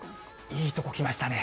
いいとこきましたね。